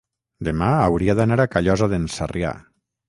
Demà hauria d'anar a Callosa d'en Sarrià.